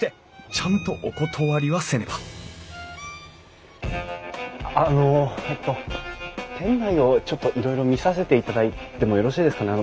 ちゃんとお断りはせねばあのえっと店内をちょっといろいろ見させていただいてもよろしいですかね？